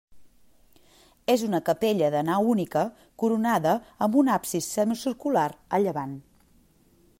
És una capella de nau única coronada amb un absis semicircular a llevant.